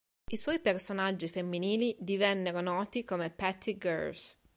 I suoi personaggi femminili divennero noti come "Petty Girls".